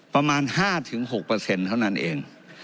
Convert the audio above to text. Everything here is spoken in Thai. ประมาณ๕๖เปอร์เซ็นต์เท่านั้นเอง